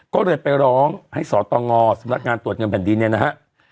ก็เลยไปร้องให้สตงสำนักงานตรวจเงินแผ่นดินเนี่ยนะฮะ